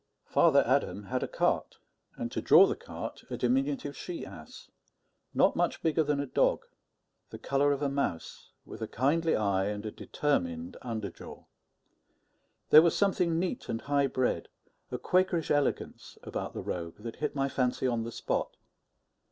Father Adam had a cart, and to draw the cart a diminutive she ass, not much bigger than a dog, the colour of a mouse, with a kindly eye and a determined under jaw. There was something neat and high bred, a quakerish elegance, about the rogue that hit my fancy on the spot.